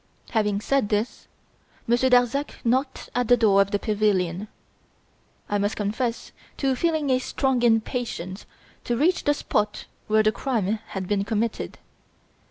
Having said this, Monsieur Darzac knocked at the door of the pavilion. I must confess to feeling a strong impatience to reach the spot where the crime had been committed.